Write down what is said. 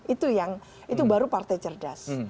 itu yang itu baru partai cerdas